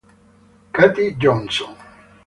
Katie Johnson